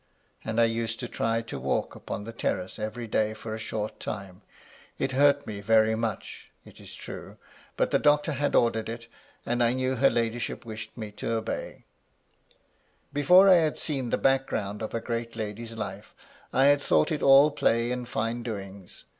And I used to try to walk upon the terrace every day for a short time : it hurt me very much, it is true, but the doctor had ordered it, and I knew her ladyship wished me to obey. E 2 76 MY LADY LUDLOW. Before I had seen the background of a great lady's life, I had thought it all play and fine doings.